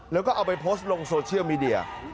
แล้วก็เอาไปโพสต์ลงโซเชียลมีเดีย